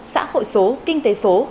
xã hội số kinh tế số